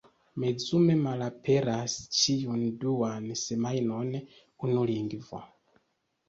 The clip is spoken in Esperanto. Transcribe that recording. Mezume malaperas ĉiun duan semajnon unu lingvo.